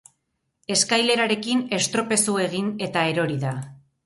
Eskailerarekin estropezu egin eta erori da.